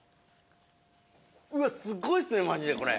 うわっすごいっすねマジでこれ。